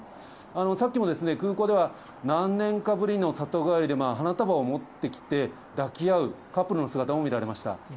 さっきも空港では、何年かぶりの里帰りで、花束を持ってきて抱き合うカップルの姿も見られました。